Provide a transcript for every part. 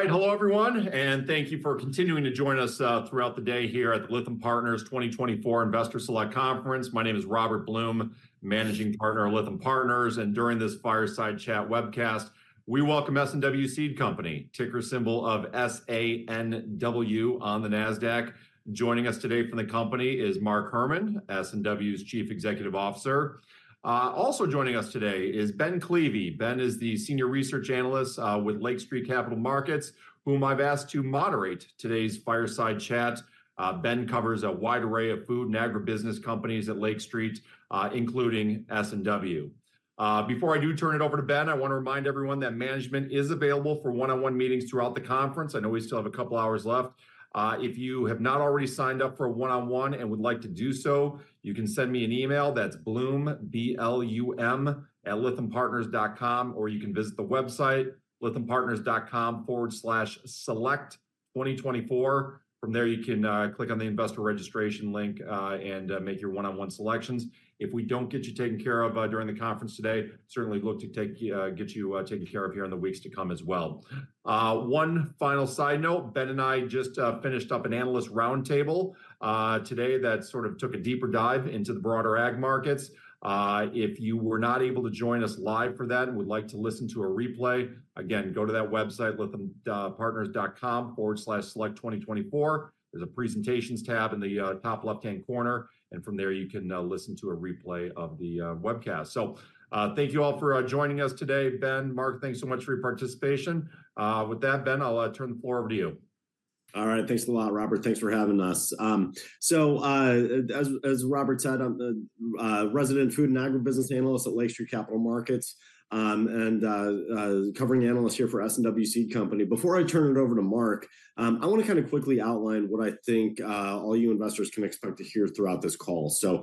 All right. Hello, everyone, and thank you for continuing to join us throughout the day here at the Lytham Partners 2024 Investor Select Conference. My name is Robert Blum, Managing Partner of Lytham Partners, and during this fireside chat webcast, we welcome S&W Seed Company, ticker symbol of SANW (Nasdaq). Joining us today from the company is Mark Herrmann, S&W's Chief Executive Officer. Also joining us today is Ben Klieve. Ben is the Senior Research Analyst with Lake Street Capital Markets, whom I've asked to moderate today's fireside chat. Ben covers a wide array of food and agribusiness companies at Lake Street, including S&W. Before I do turn it over to Ben, I want to remind everyone that management is available for one-on-one meetings throughout the conference. I know we still have a couple of hours left. If you have not already signed up for a one-on-one and would like to do so, you can send me an email that's blum, B-L-U-M, @lythampartners.com, or you can visit the website, lythampartners.com/select2024. From there, you can click on the investor registration link and make your one-on-one selections. If we don't get you taken care of during the conference today, certainly look to get you taken care of here in the weeks to come as well. One final side note: Ben and I just finished up an analyst roundtable today that sort of took a deeper dive into the broader ag markets. If you were not able to join us live for that and would like to listen to a replay, again, go to that website, lythampartners.com/select2024. There's a Presentations tab in the top left-hand corner, and from there, you can listen to a replay of the webcast. So, thank you all for joining us today. Ben, Mark, thanks so much for your participation. With that, Ben, I'll turn the floor over to you. All right. Thanks a lot, Robert. Thanks for having us. So, as Robert said, I'm the resident food and agribusiness analyst at Lake Street Capital Markets, and covering analyst here for S&W Seed Company. Before I turn it over to Mark, I want to kind of quickly outline what I think all you investors can expect to hear throughout this call. So,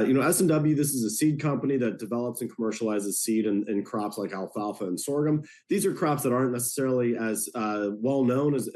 you know, S&W, this is a seed company that develops and commercializes seed in crops like alfalfa and sorghum. These are crops that aren't necessarily as well known as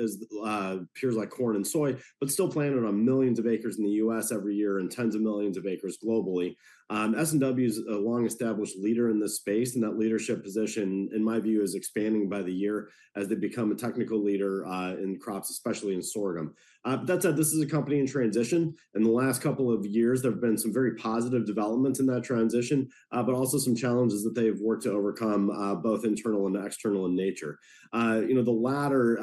peers like corn and soy, but still planted on millions of acres in the U.S. every year and tens of millions of acres globally. S&W is a long-established leader in this space, and that leadership position, in my view, is expanding by the year as they become a technical leader in crops, especially in sorghum. But that said, this is a company in transition. In the last couple of years, there have been some very positive developments in that transition, but also some challenges that they have worked to overcome, both internal and external in nature. You know, the latter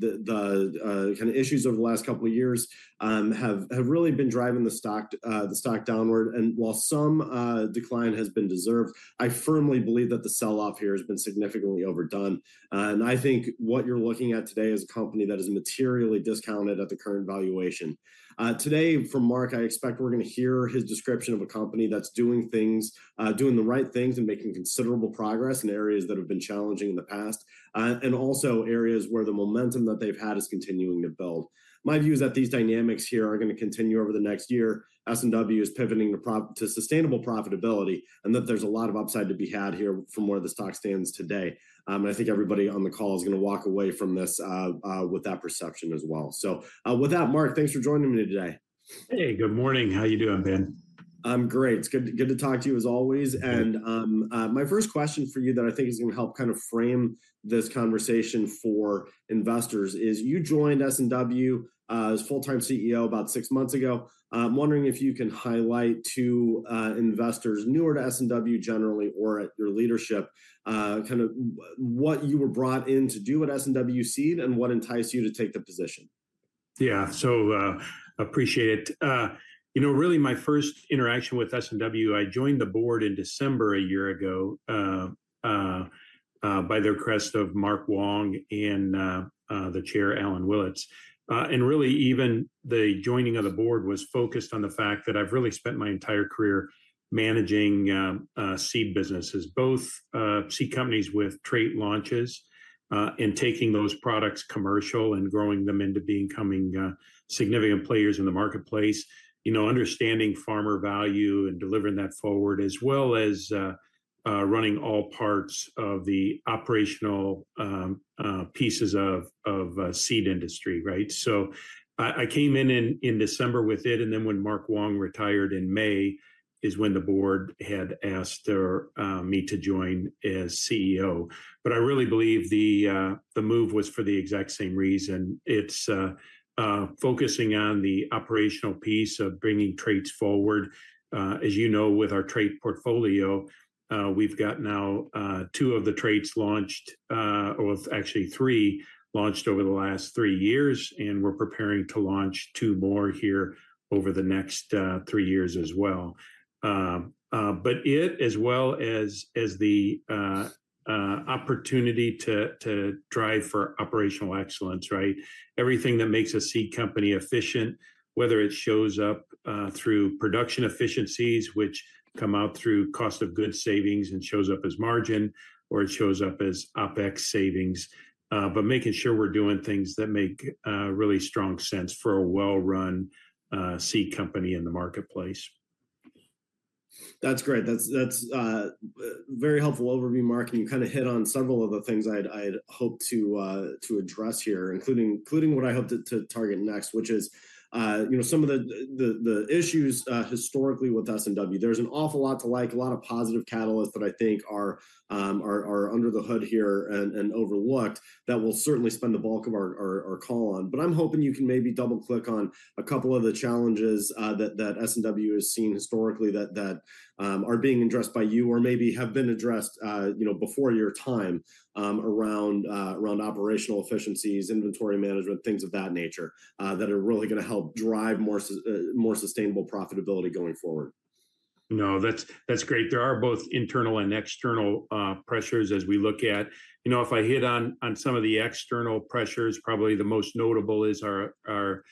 kind of issues over the last couple of years have really been driving the stock downward, and while some decline has been deserved, I firmly believe that the sell-off here has been significantly overdone. I think what you're looking at today is a company that is materially discounted at the current valuation. Today, from Mark, I expect we're gonna hear his description of a company that's doing things, doing the right things and making considerable progress in areas that have been challenging in the past, and also areas where the momentum that they've had is continuing to build. My view is that these dynamics here are going to continue over the next year. S&W is pivoting to sustainable profitability, and that there's a lot of upside to be had here from where the stock stands today. And I think everybody on the call is gonna walk away from this with that perception as well. So, with that, Mark, thanks for joining me today. Hey, good morning. How you doing, Ben? I'm great. It's good to talk to you as always. Good. My first question for you that I think is going to help kind of frame this conversation for investors is, you joined S&W as full-time CEO about six months ago. I'm wondering if you can highlight to investors newer to S&W generally or your leadership kind of what you were brought in to do at S&W Seed and what enticed you to take the position? Yeah. So, appreciate it. You know, really my first interaction with S&W, I joined the board in December a year ago, by the request of Mark Wong and the chair, Alan Willits. And really, even the joining of the board was focused on the fact that I've really spent my entire career managing seed businesses, both seed companies with trait launches, and taking those products commercial and growing them into becoming significant players in the marketplace. You know, understanding farmer value and delivering that forward, as well as running all parts of the operational pieces of the seed industry, right? So I came in in December with it, and then when Mark Wong retired in May, is when the board had asked her me to join as CEO. But I really believe the move was for the exact same reason. It's focusing on the operational piece of bringing traits forward. As you know, with our trait portfolio, we've got now two of the traits launched, or actually three, launched over the last three years, and we're preparing to launch two more here over the next three years as well. But it, as well as the opportunity to drive for operational excellence, right? Everything that makes a seed company efficient, whether it shows up through production efficiencies, which come out through cost of goods savings and shows up as margin, or it shows up as OpEx savings, but making sure we're doing things that make really strong sense for a well-run seed company in the marketplace. ... That's great. That's, that's, very helpful overview, Mark, and you kind of hit on several of the things I'd hoped to address here, including what I hoped to target next, which is, you know, some of the issues historically with S&W. There's an awful lot to like, a lot of positive catalysts that I think are under the hood here and overlooked that we'll certainly spend the bulk of our call on. I'm hoping you can maybe double-click on a couple of the challenges that S&W has seen historically that are being addressed by you or maybe have been addressed, you know, before your time, around operational efficiencies, inventory management, things of that nature, that are really gonna help drive more sustainable profitability going forward. No, that's, that's great. There are both internal and external pressures as we look at... You know, if I hit on some of the external pressures, probably the most notable is our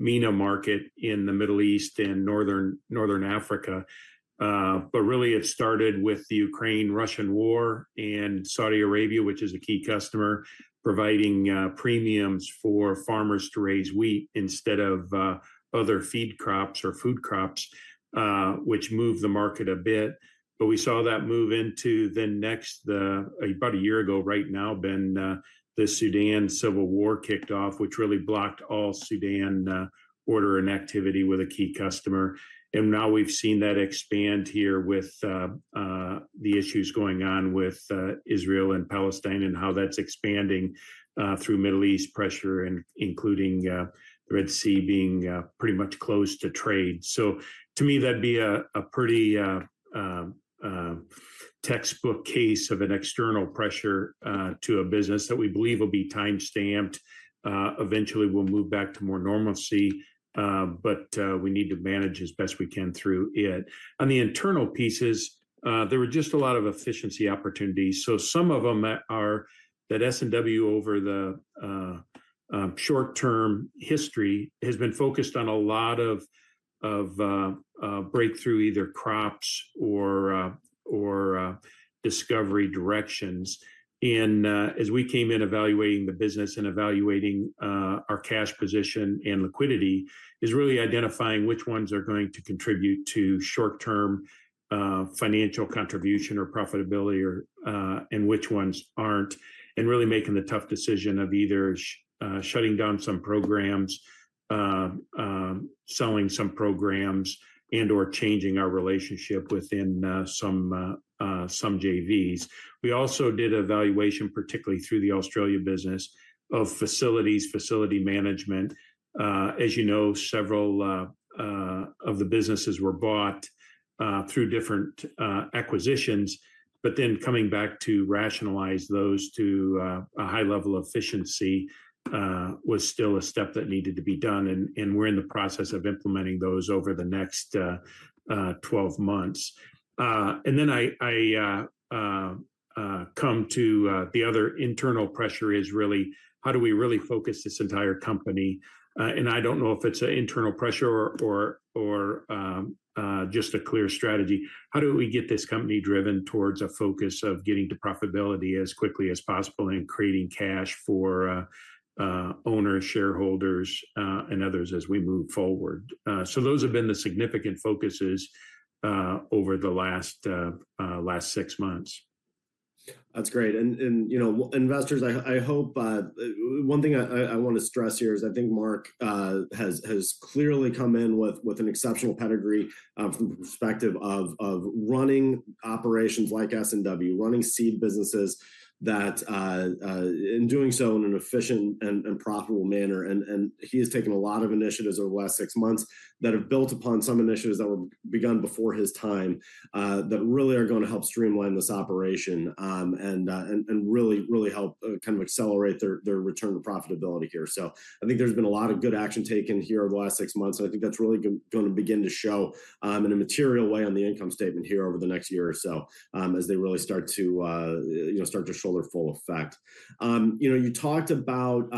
MENA market in the Middle East and Northern Africa. But really it started with the Ukraine-Russian War and Saudi Arabia, which is a key customer, providing premiums for farmers to raise wheat instead of other feed crops or food crops, which moved the market a bit. But we saw that move into the next, about a year ago right now, Ben, the Sudan civil war kicked off, which really blocked all Sudan order and activity with a key customer. And now we've seen that expand here with the issues going on with Israel and Palestine and how that's expanding through Middle East pressure, including the Red Sea being pretty much closed to trade. So to me, that'd be a pretty textbook case of an external pressure to a business that we believe will be time-stamped. Eventually we'll move back to more normalcy, but we need to manage as best we can through it. On the internal pieces, there were just a lot of efficiency opportunities. So some of them are that S&W over the short-term history has been focused on a lot of breakthrough, either crops or discovery directions. As we came in evaluating the business and evaluating our cash position and liquidity, is really identifying which ones are going to contribute to short-term financial contribution or profitability or and which ones aren't, and really making the tough decision of either shutting down some programs, selling some programs, and/or changing our relationship within some some JVs. We also did evaluation, particularly through the Australia business, of facilities, facility management. As you know, several of the businesses were bought through different acquisitions, but then coming back to rationalize those to a high level of efficiency was still a step that needed to be done, and we're in the process of implementing those over the next 12 months. And then I come to the other internal pressure, really, how do we really focus this entire company? I don't know if it's an internal pressure or just a clear strategy. How do we get this company driven towards a focus of getting to profitability as quickly as possible and creating cash for owners, shareholders, and others as we move forward? So those have been the significant focuses over the last six months. That's great, you know, with investors, I want to stress here is I think Mark has clearly come in with an exceptional pedigree from the perspective of running operations like S&W, running seed businesses that in doing so in an efficient and profitable manner. And he has taken a lot of initiatives over the last six months that have built upon some initiatives that were begun before his time that really are gonna help streamline this operation, and really help kind of accelerate their return to profitability here. So I think there's been a lot of good action taken here over the last six months, and I think that's really gonna begin to show in a material way on the income statement here over the next year or so, as they really start to, you know, start to show their full effect. You know, you talked about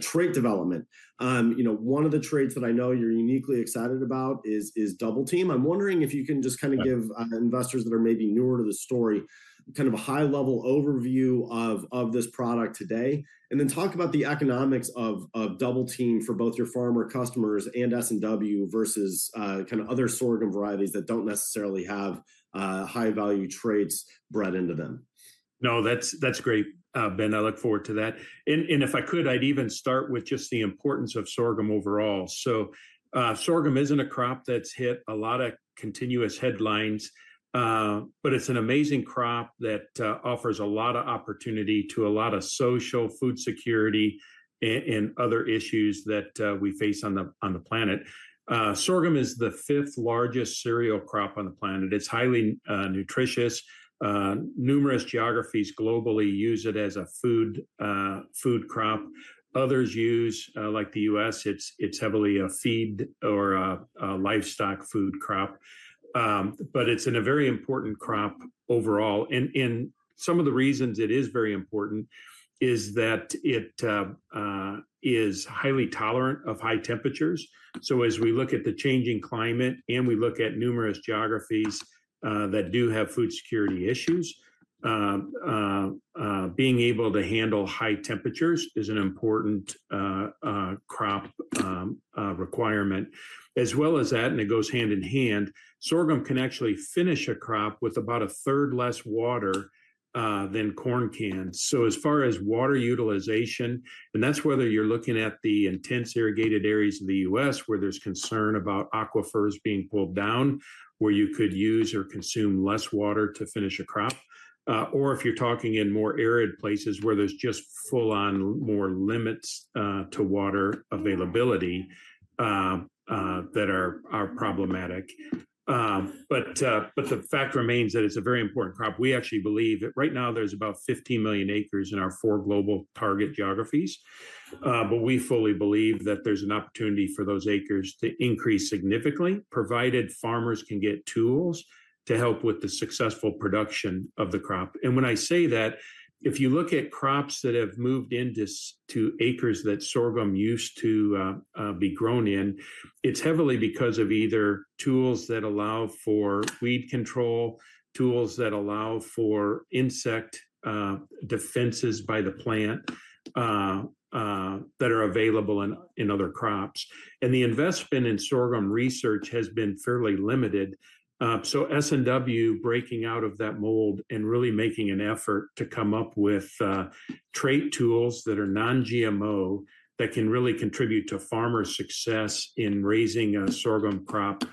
trait development. You know, one of the traits that I know you're uniquely excited about is Double Team. I'm wondering if you can just kinda give- Right... investors that are maybe newer to the story, kind of a high-level overview of this product today, and then talk about the economics of Double Team for both your farmer customers and S&W versus kind of other sorghum varieties that don't necessarily have high-value traits bred into them. No, that's great, Ben. I look forward to that. And if I could, I'd even start with just the importance of sorghum overall. So, sorghum isn't a crop that's hit a lot of continuous headlines, but it's an amazing crop that offers a lot of opportunity to a lot of social food security and other issues that we face on the planet. Sorghum is the fifth largest cereal crop on the planet. It's highly nutritious. Numerous geographies globally use it as a food crop. Others use, like the U.S., it's heavily a feed or a livestock food crop. But it's in a very important crop overall, and some of the reasons it is very important is that it is highly tolerant of high temperatures. So as we look at the changing climate and we look at numerous geographies that do have food security issues. Being able to handle high temperatures is an important crop requirement. As well as that, and it goes hand in hand, sorghum can actually finish a crop with about a third less water than corn can. So as far as water utilization, and that's whether you're looking at the intense irrigated areas in the U.S. where there's concern about aquifers being pulled down, where you could use or consume less water to finish a crop, or if you're talking in more arid places where there's just full-on more limits to water availability that are problematic. But the fact remains that it's a very important crop. We actually believe that right now there's about 15 million acres in our four global target geographies. But we fully believe that there's an opportunity for those acres to increase significantly, provided farmers can get tools to help with the successful production of the crop. And when I say that, if you look at crops that have moved into to acres that sorghum used to be grown in, it's heavily because of either tools that allow for weed control, tools that allow for insect defenses by the plant that are available in other crops. And the investment in sorghum research has been fairly limited. So S&W breaking out of that mold and really making an effort to come up with trait tools that are non-GMO, that can really contribute to farmer success in raising a sorghum crop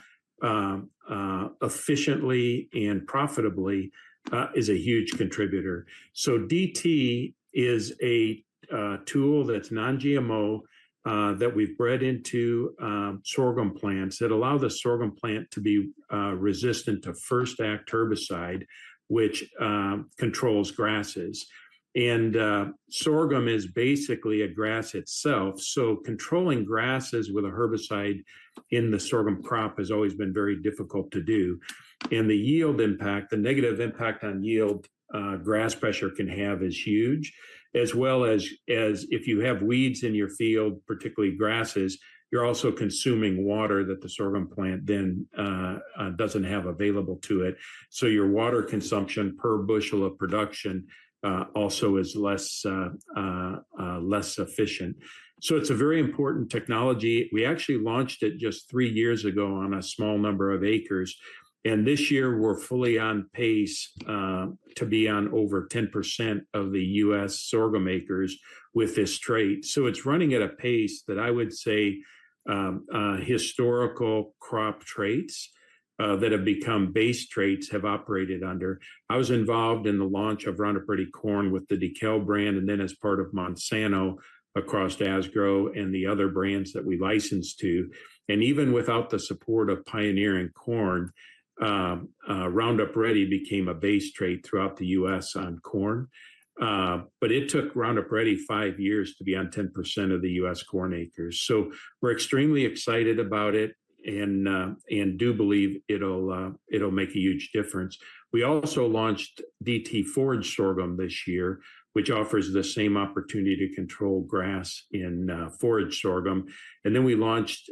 efficiently and profitably is a huge contributor. So DT is a tool that's non-GMO that we've bred into sorghum plants that allow the sorghum plant to be resistant to FirstAct herbicide, which controls grasses. And sorghum is basically a grass itself, so controlling grasses with a herbicide in the sorghum crop has always been very difficult to do. And the yield impact, the negative impact on yield, grass pressure can have is huge, as well as, as if you have weeds in your field, particularly grasses, you're also consuming water that the sorghum plant then doesn't have available to it. So your water consumption per bushel of production, also is less, less efficient. So it's a very important technology. We actually launched it just three years ago on a small number of acres, and this year we're fully on pace, to be on over 10% of the U.S. sorghum acres with this trait. So it's running at a pace that I would say, historical crop traits, that have become base traits have operated under. I was involved in the launch of Roundup Ready Corn with the DEKALB brand, and then as part of Monsanto across Asgrow and the other brands that we licensed to. And even without the support of Pioneer in corn, Roundup Ready became a base trait throughout the U.S. on corn. But it took Roundup Ready 5 years to be on 10% of the U.S. corn acres. So we're extremely excited about it and do believe it'll make a huge difference. We also launched DT forage sorghum this year, which offers the same opportunity to control grass in forage sorghum. And then we launched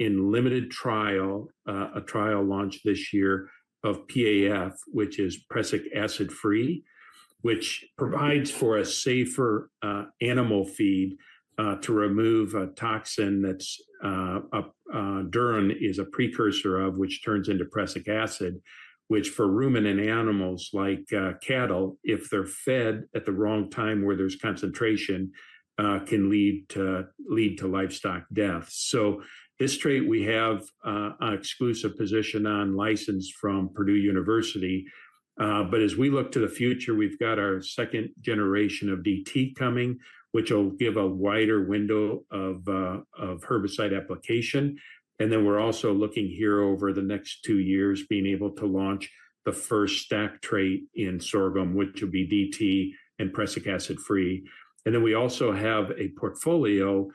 in limited trial a trial launch this year of PAF, which is prussic acid-free, which provides for a safer animal feed to remove a toxin that's dhurrin is a precursor of, which turns into prussic acid, which for ruminant animals like cattle, if they're fed at the wrong time, where there's concentration, can lead to livestock death. So this trait, we have an exclusive position on license from Purdue University. But as we look to the future, we've got our second generation of DT coming, which will give a wider window of herbicide application. Then we're also looking here over the next two years, being able to launch the first Stack Trait in sorghum, which will be DT and Prussic Acid Free. Then we also have a portfolio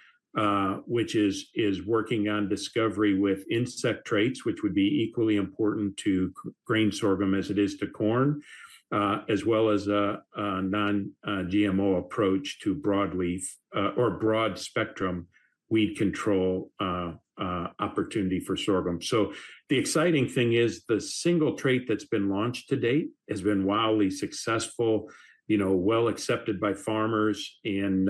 which is working on discovery with insect traits, which would be equally important to grain sorghum as it is to corn, as well as a non-GMO approach to broad leaf or broad spectrum weed control opportunity for sorghum. So the exciting thing is the single trait that's been launched to date has been wildly successful, you know, well-accepted by farmers and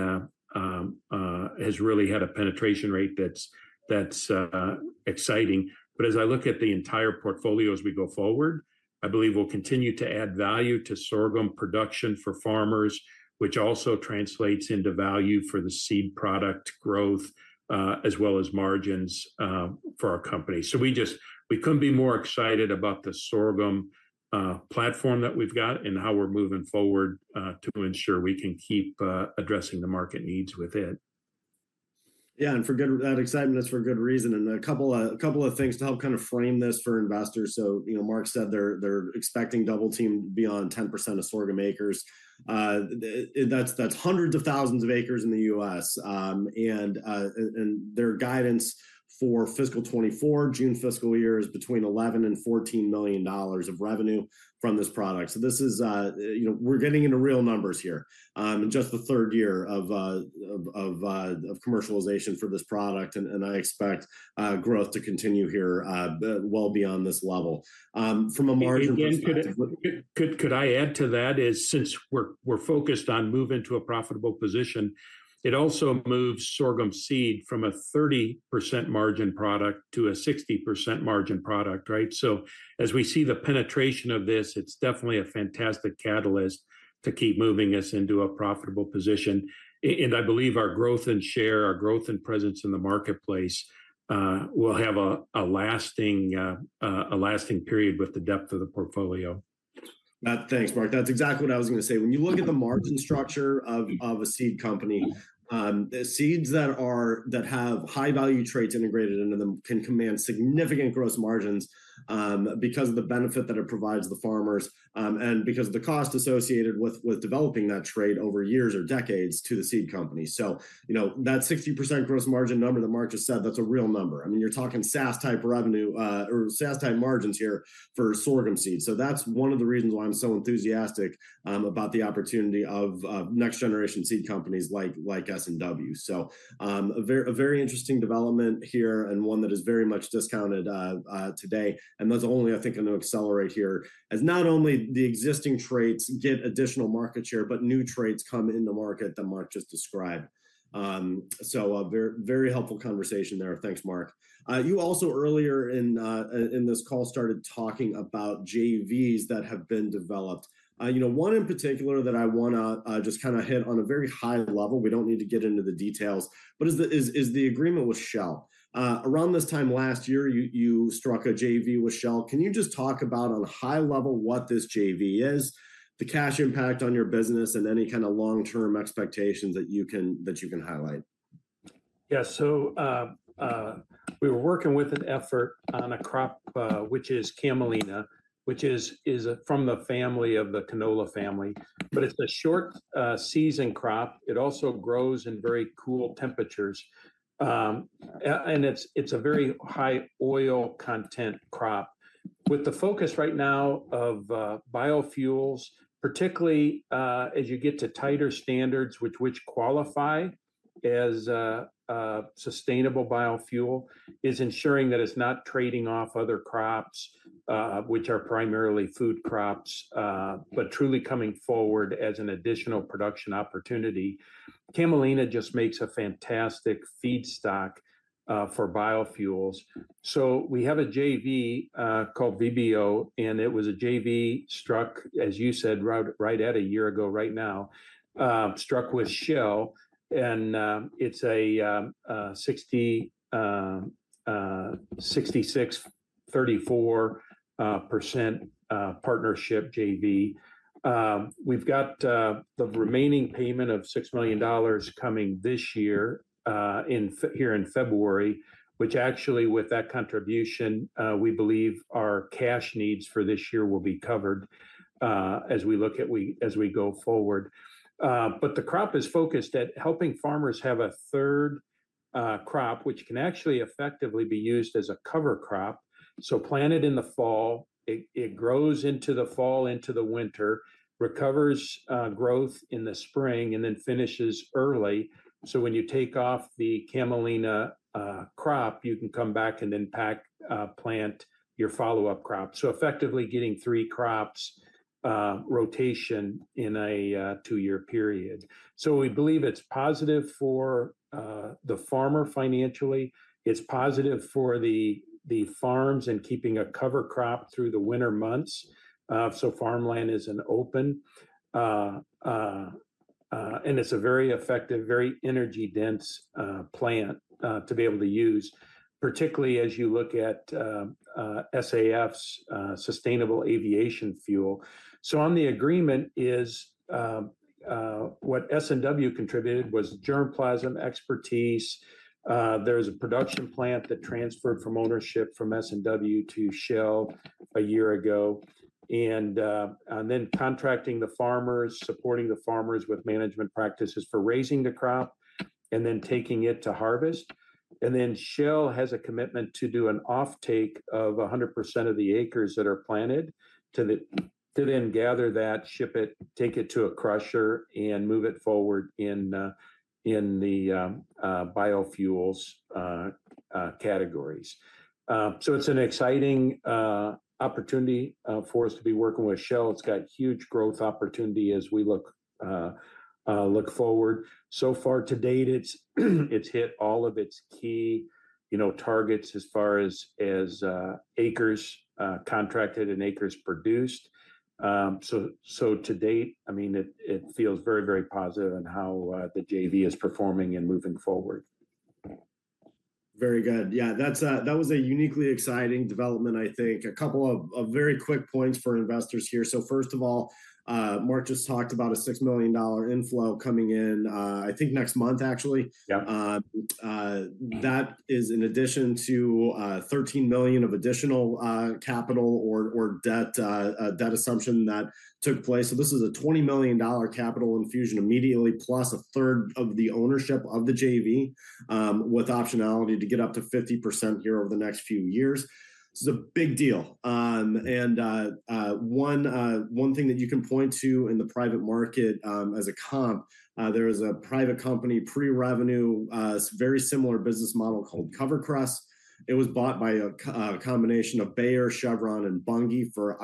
has really had a penetration rate that's exciting. But as I look at the entire portfolio as we go forward, I believe we'll continue to add value to sorghum production for farmers, which also translates into value for the seed product growth, as well as margins, for our company. So we just, we couldn't be more excited about the sorghum platform that we've got and how we're moving forward to ensure we can keep addressing the market needs with it. Yeah, that excitement is for good reason. And a couple of things to help kind of frame this for investors. So, you know, Mark said they're expecting Double Team to be on 10% of sorghum acres. That's hundreds of thousands of acres in the U.S. And their guidance for fiscal 2024, June fiscal year, is between $11 million and $14 million of revenue from this product. So this is, you know, we're getting into real numbers here, in just the third year of commercialization for this product, and I expect growth to continue here well beyond this level. From a margin perspective- And just could I add to that? Since we're focused on moving to a profitable position, it also moves sorghum seed from a 30% margin product to a 60% margin product, right? So as we see the penetration of this, it's definitely a fantastic catalyst to keep moving us into a profitable position. And I believe our growth and share, our growth and presence in the marketplace will have a lasting period with the depth of the portfolio. Thanks, Mark. That's exactly what I was gonna say. When you look at the margin structure of a seed company, the seeds that have high-value traits integrated into them can command significant gross margins, because of the benefit that it provides the farmers, and because of the cost associated with developing that trait over years or decades to the seed company. So, you know, that 60% gross margin number that Mark just said, that's a real number. I mean, you're talking SaaS-type revenue, or SaaS-type margins here for sorghum seeds. So that's one of the reasons why I'm so enthusiastic about the opportunity of next-generation seed companies like S&W. So, a very interesting development here and one that is very much discounted today, and that's only, I think, going to accelerate here as not only the existing traits get additional market share, but new traits come into market that Mark just described. So, a very helpful conversation there. Thanks, Mark. You also earlier in this call started talking about JVs that have been developed. You know, one in particular that I wanna just kinda hit on a very high level, we don't need to get into the details, but is the agreement with Shell. Around this time last year, you struck a JV with Shell. Can you just talk about, on a high level, what this JV is, the cash impact on your business, and any kinda long-term expectations that you can, that you can highlight? Yeah. So, we were working with an effort on a crop, which is Camelina, which is from the family of the canola family, but it's a short season crop. It also grows in very cool temperatures, and it's a very high oil content crop. With the focus right now of biofuels, particularly, as you get to tighter standards which qualify as a sustainable biofuel, is ensuring that it's not trading off other crops, which are primarily food crops, but truly coming forward as an additional production opportunity. Camelina just makes a fantastic feedstock for biofuels. So we have a JV called VBO, and it was a JV struck, as you said, right, right at a year ago right now, struck with Shell, and it's a 66.34% partnership JV. We've got the remaining payment of $6 million coming this year in February, which actually, with that contribution, we believe our cash needs for this year will be covered as we look at as we go forward. But the crop is focused at helping farmers have a third crop, which can actually effectively be used as a cover crop. So plant it in the fall, it grows into the fall, into the winter, recovers growth in the spring, and then finishes early. So when you take off the camelina crop, you can come back and then pack plant your follow-up crop. So effectively getting three crops rotation in a two-year period. So we believe it's positive for the farmer financially. It's positive for the farms and keeping a cover crop through the winter months, so farmland isn't open. And it's a very effective, very energy-dense plant to be able to use, particularly as you look at SAF's sustainable aviation fuel. So on the agreement is what S&W contributed was germplasm, expertise. There's a production plant that transferred from ownership from S&W to Shell a year ago, and then contracting the farmers, supporting the farmers with management practices for raising the crop, and then taking it to harvest. And then Shell has a commitment to do an offtake of 100% of the acres that are planted, to then gather that, ship it, take it to a crusher, and move it forward in the biofuels categories. So it's an exciting opportunity for us to be working with Shell. It's got huge growth opportunity as we look forward. So far to date, it's hit all of its key, you know, targets as far as acres contracted and acres produced. So to date, I mean, it feels very, very positive in how the JV is performing and moving forward. Very good. Yeah, that's that was a uniquely exciting development, I think. A couple of very quick points for investors here. So first of all, Mark just talked about a $6 million inflow coming in, I think next month, actually. Yep. That is in addition to $13 million of additional capital or debt assumption that took place. So this is a $20 million capital infusion immediately, plus a third of the ownership of the JV, with optionality to get up to 50% here over the next few years. This is a big deal. And one thing that you can point to in the private market as a comp, there is a private company, pre-revenue, very similar business model called CoverCress. It was bought by a combination of Bayer, Chevron, and Bunge for,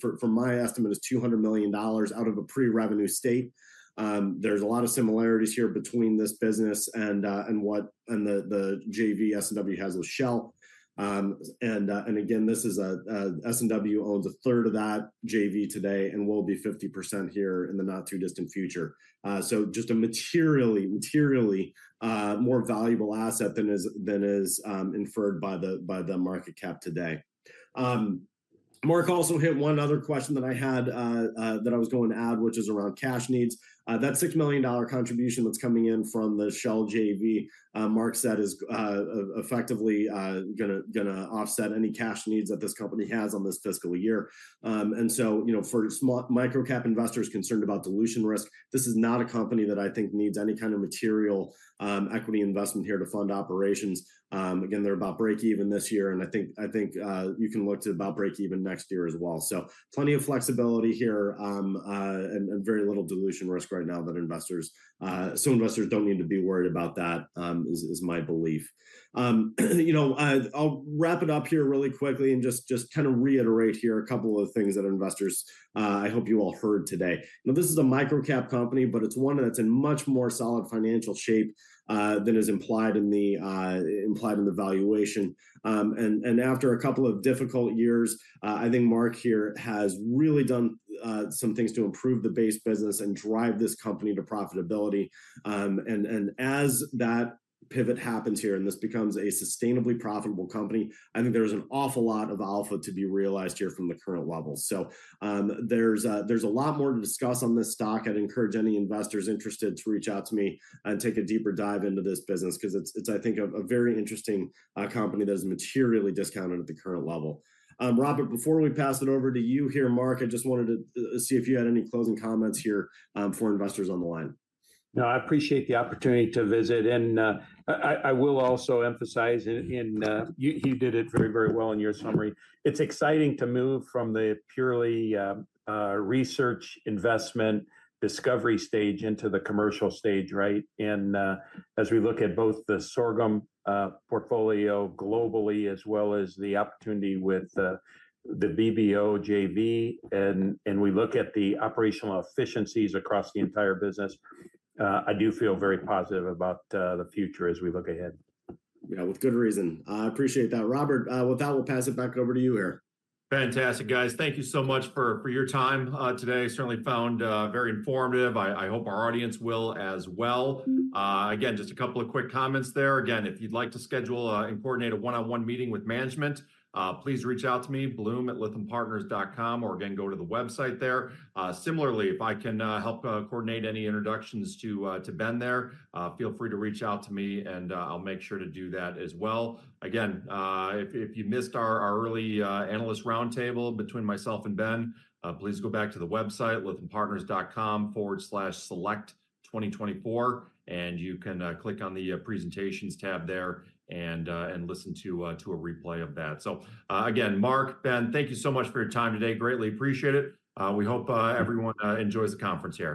for my estimate, $200 million out of a pre-revenue state. There's a lot of similarities here between this business and the JV S&W has with Shell. And again, S&W owns a third of that JV today and will be 50% here in the not-too-distant future. So just a materially more valuable asset than is inferred by the market cap today. Mark also hit one other question that I had that I was going to add, which is around cash needs. That $6 million contribution that's coming in from the Shell JV, Mark said, is effectively gonna offset any cash needs that this company has on this fiscal year. And so, you know, for small micro-cap investors concerned about dilution risk, this is not a company that I think needs any kind of material equity investment here to fund operations. Again, they're about break even this year, and I think you can look to about break even next year as well. So plenty of flexibility here, and very little dilution risk right now that investors... So investors don't need to be worried about that, is my belief. You know, I'll wrap it up here really quickly and just kinda reiterate here a couple of things that investors I hope you all heard today. Now, this is a microcap company, but it's one that's in much more solid financial shape than is implied in the valuation. After a couple of difficult years, I think Mark here has really done some things to improve the base business and drive this company to profitability. As that pivot happens here and this becomes a sustainably profitable company, I think there's an awful lot of alpha to be realized here from the current levels. So, there's a lot more to discuss on this stock. I'd encourage any investors interested to reach out to me and take a deeper dive into this business 'cause it's, I think, a very interesting company that is materially discounted at the current level. Robert, before we pass it over to you here, Mark, I just wanted to see if you had any closing comments here for investors on the line. No, I appreciate the opportunity to visit, and I will also emphasize, and you did it very, very well in your summary. It's exciting to move from the purely research, investment, discovery stage into the commercial stage, right? And as we look at both the sorghum portfolio globally, as well as the opportunity with the VBO JV, and we look at the operational efficiencies across the entire business, I do feel very positive about the future as we look ahead. Yeah, with good reason. I appreciate that. Robert, with that, we'll pass it back over to you here. Fantastic, guys. Thank you so much for your time today. Certainly found very informative. I hope our audience will as well. Again, just a couple of quick comments there. Again, if you'd like to schedule and coordinate a one-on-one meeting with management, please reach out to me, blum@lythampartners.com, or again, go to the website there. Similarly, if I can help coordinate any introductions to Ben there, feel free to reach out to me, and I'll make sure to do that as well. Again, if you missed our early analyst round table between myself and Ben, please go back to the website, lythampartners.com/select2024, and you can click on the presentations tab there, and listen to a replay of that. So, again, Mark, Ben, thank you so much for your time today. Greatly appreciate it. We hope everyone enjoys the conference here.